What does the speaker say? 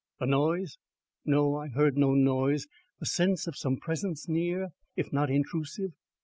A noise? No, I heard no noise. The sense of some presence near, if not intrusive?